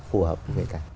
phù hợp với người ta